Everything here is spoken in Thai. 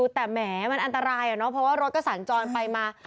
แต่แหมมันอันตรายเพราะว่ารถกับสัญจรไปมา